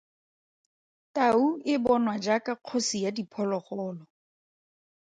Tau e bonwa jaaka kgosi ya diphologolo.